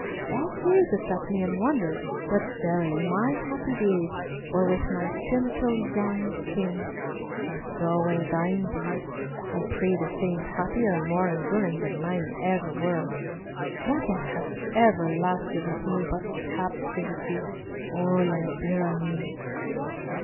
Thou gazest at me in wonder, but verily my happy days were with my gentle young king—and so will thine be, I pray the saints happier and more enduring than ever were mine. Nothing has ever lasted with me but captivity, O libera me."